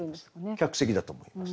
客席だと思います。